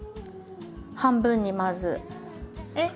半分にまず。えっ？